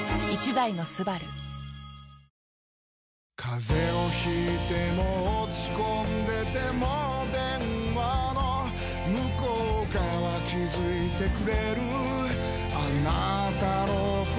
風邪を引いても落ち込んでても電話の向こう側気付いてくれるあなたの声